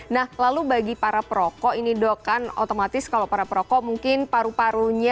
nah lalu bagi para perokok ini dok kan otomatis kalau para perokok mungkin paru parunya